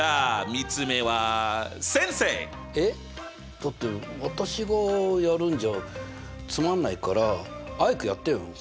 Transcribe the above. だって私がやるんじゃつまんないからアイクやってよ。